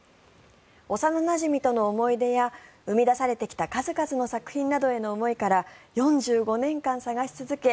幼なじみとの思い出や生み出されてきた数々の作品への思いから４５年間捜し続け